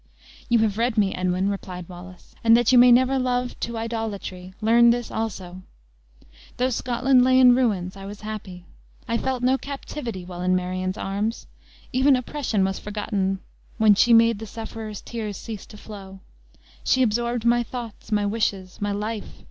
"You have read me, Edwin," replied Wallace; "and that you may never love to idolatry, learn this also. Though Scotland lay in ruins, I was happy; I felt no captivity while in Marion's arms; even oppression was forgotten when she made the sufferer's tears cease to flow. She absorbed my thoughts, my wishes, my life!